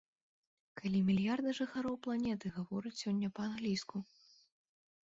Каля мільярда жыхароў планеты гавораць сёння па-англійску!